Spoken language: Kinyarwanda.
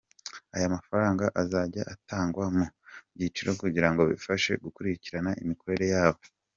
Ayo mafaranga azajya atangwa mu byiciro kugira ngo bibafashe gukurikina imikorere yabo.